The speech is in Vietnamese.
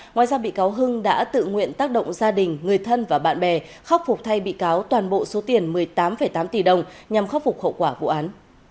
ngoài ra bị cáo hưng đã tự nguyện tác động gia đình người thân và bạn bè khắc phục thay bị cáo toàn bộ số tiền một mươi tám tám tỷ đồng nhằm khắc phục hậu quả vụ án